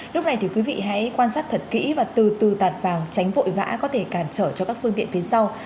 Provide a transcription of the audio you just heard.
lúc này thì quý vị hãy quan sát thật kỹ và từ từ tạt vào tránh vội vã có thể cản trở cho các phương tiện phía sau